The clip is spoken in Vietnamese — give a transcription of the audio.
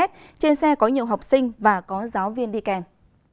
trên xe có nhiều học sinh và có giáo viên đi kèm